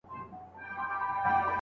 پلار زوی ته غلطه لاره نه وه ښودلې.